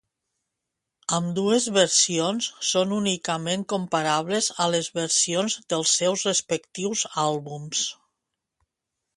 Ambdues versions són únicament comparables a les versions dels seus respectius àlbums.